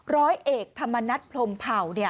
ร้อยเอกธรรมนัฐพรมเผ่า